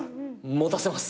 持たせます。